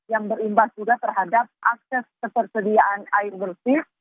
yang berimbas juga terhadap akses ketersediaan air bersih